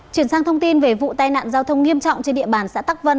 chuyển sang thông tin về vụ tai nạn giao thông nghiêm trọng trên địa bàn xã tắc vân